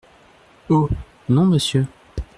Oh ! non, Monsieur.